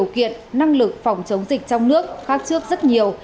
khắc trước rất nhiều